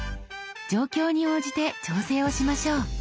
状況に応じて調整をしましょう。